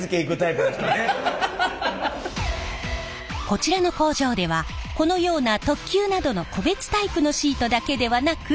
こちらの工場ではこのような特急などの個別タイプのシートだけではなく。